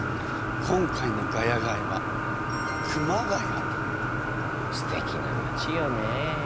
今回のガヤガヤはすてきな町よね。